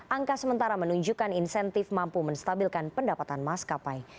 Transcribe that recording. angka sementara menunjukkan insentif mampu menstabilkan pendapatan maskapai